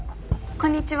こんにちは。